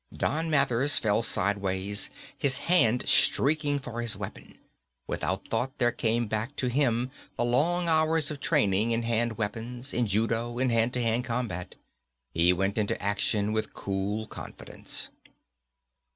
Don Mathers fell sideward, his hand streaking for his weapon. Without thought there came back to him the long hours of training in hand weapons, in judo, in hand to hand combat. He went into action with cool confidence.